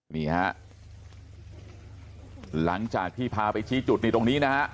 นี่ฮะหลังจากที่พาไปชี้จุดนี่ตรงนี้นะฮะ